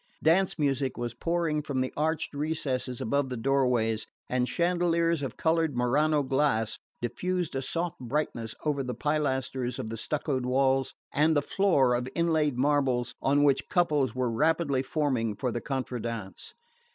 Dance music was pouring from the arched recesses above the doorways, and chandeliers of coloured Murano glass diffused a soft brightness over the pilasters of the stuccoed walls, and the floor of inlaid marbles on which couples were rapidly forming for the contradance.